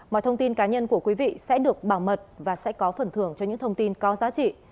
mọi thông tin cá nhân của quý vị sẽ được bảo mật và sẽ có phần thưởng cho những thông tin có giá trị